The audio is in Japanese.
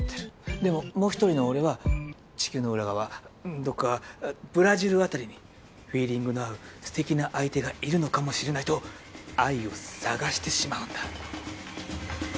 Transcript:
でももう一人の俺は地球の裏側どっかブラジルあたりにフィーリングの合うすてきな相手がいるのかもしれないと愛を探してしまうんだ。